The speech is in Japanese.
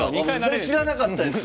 それ知らなかったです。